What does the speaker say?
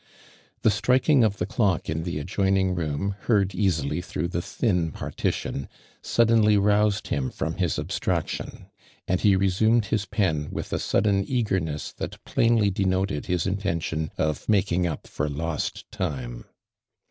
The striking of the clock in the adjoining room, heard easily through the thin partition, suddenly roused him from his abstraction, and he resumed his pen with a sudden uftgorness that plainly denoted his intention of making up for lost time.